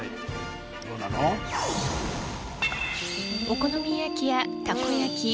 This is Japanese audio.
お好み焼きやたこ焼き